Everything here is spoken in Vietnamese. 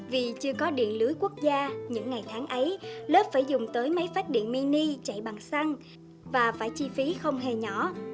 vì chưa có điện lưới quốc gia những ngày tháng ấy lớp phải dùng tới máy phát điện mini chạy bằng xăng và phải chi phí không hề nhỏ